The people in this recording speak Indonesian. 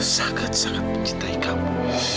sangat sangat mencintai kamu